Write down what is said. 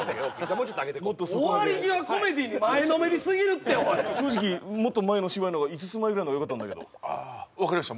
もうちょっとあげてこう終わり際コメディーに前のめりすぎるっておい正直もっと前の芝居の方が５つ前ぐらいの方がよかったんだけど分かりました